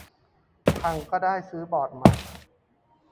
พังก็ได้ซื้อบอร์ดใหม่